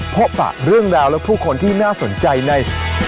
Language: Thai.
ปะเรื่องราวและผู้คนที่น่าสนใจใน